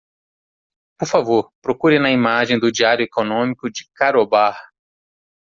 Por favor, procure na imagem do Diário Económico de Karobar.